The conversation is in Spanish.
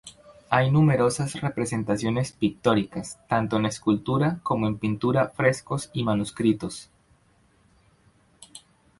Hay numerosas representaciones pictóricas, tanto en escultura, como en pintura, frescos y manuscritos.